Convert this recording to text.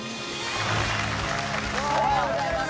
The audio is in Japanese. おはようございます。